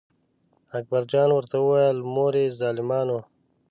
اکبر جان ورته وویل: مورې ظالمانو.